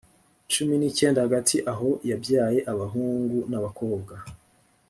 cumi n icyenda hagati aho yabyaye abahungu n abakobwa